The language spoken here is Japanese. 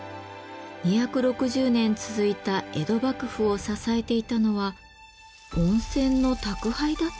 ２６０年続いた江戸幕府を支えていたのは温泉の「宅配」だった？